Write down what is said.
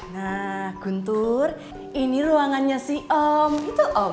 nah guntur ini ruangannya si om itu om